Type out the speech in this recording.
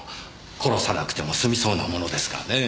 殺さなくても済みそうなものですがねぇ。